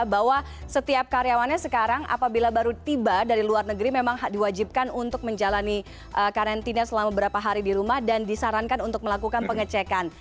bahwa setiap karyawannya sekarang apabila baru tiba dari luar negeri memang diwajibkan untuk menjalani karantina selama beberapa hari di rumah dan disarankan untuk melakukan pengecekan